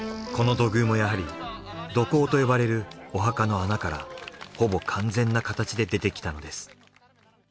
この土偶もやはり土坑と呼ばれるお墓の穴からほぼ完全な形で出てきたのです。